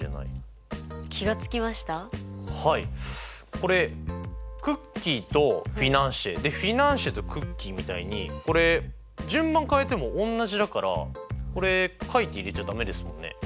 これクッキーとフィナンシェフィナンシェとクッキーみたいにこれ順番変えてもおんなじだからこれ書いて入れちゃ駄目ですもんね。